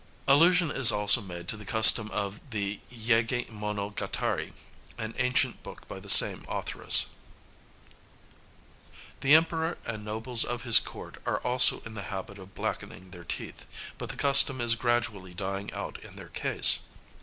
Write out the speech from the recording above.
Allusion is also made to the custom in the "Yeiga mono gatari," an ancient book by the same authoress. The Emperor and nobles of his court are also in the habit of blackening their teeth; but the custom is gradually dying out in their case.